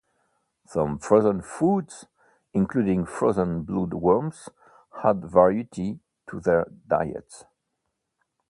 Some frozen foods, including frozen blood worms, add variety to their diets.